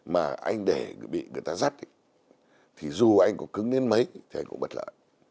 mà anh để bị người ta rắt thì dù anh có cứng đến mấy thì anh cũng bất lợi